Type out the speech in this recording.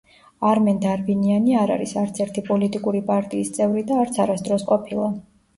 არმენ დარბინიანი არ არის არც ერთი პოლიტიკური პარტიის წევრი და არც არასდროს ყოფილა.